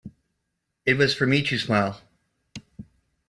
It was for me to smile.